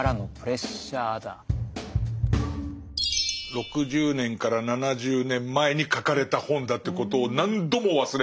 ６０年から７０年前に書かれた本だってことを何度も忘れますね。